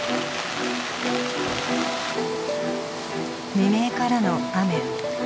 未明からの雨。